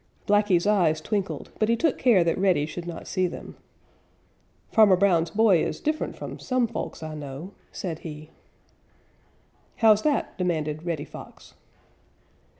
Blacky's eyes twinkled, but he took care that Reddy should not see them. "Farmer Brown's boy is different from some folks I know," said he. "How's that?" demanded Reddy Fox.